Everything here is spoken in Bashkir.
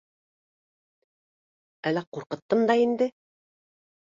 — Әллә ҡурҡыттым да инде?